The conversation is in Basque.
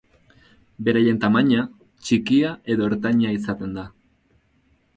Beraien tamaina txikia edo ertaina izaten da.